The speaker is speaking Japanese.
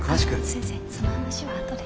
先生その話はあとで。